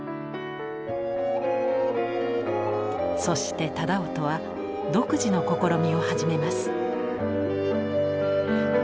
そして楠音は独自の試みを始めます。